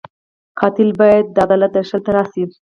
قاتل باید د عدالت درشل ته راشي